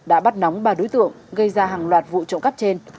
đã bắt nóng ba đối tượng gây ra hàng loạt vụ trộm cắp trên